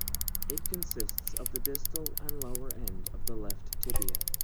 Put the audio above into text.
It consists of the distal or lower end of a left tibia.